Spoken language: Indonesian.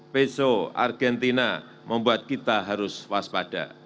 peso argentina membuat kita harus waspada